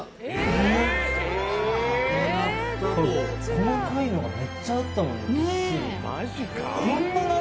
細かいのがめっちゃあったもんねびっしり。